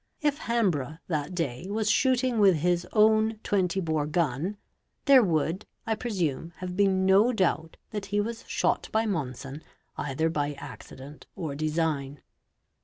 If Hambrough that day was shooting with his own 20 or ; gun, there would, I presume, have been no doubt that he was shot by GUN SHOT WOUNDS 631 Monson either by accident or design.